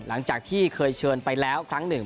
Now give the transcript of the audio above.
หลังจากที่เคยเชิญไปแล้วครั้งหนึ่ง